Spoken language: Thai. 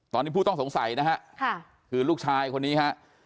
ตอนนี้ผู้ต้องสงสัยนะฮะคือลูกชายคนนี้ฮะ